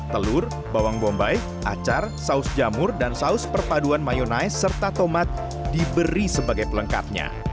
telur bawang bombay acar saus jamur dan saus perpaduan mayonaise serta tomat diberi sebagai pelengkapnya